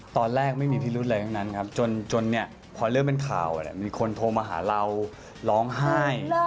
ตอนแรกไม่มีพิรุธอะไรเท่านั้นครับจนพอเริ่มเป็นข่าวมีคนโทรมาหาเราร้องไห้